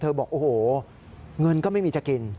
บอกโอ้โหเงินก็ไม่มีจะกิน